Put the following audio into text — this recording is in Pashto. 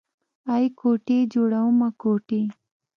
ای کوټې جوړومه کوټې.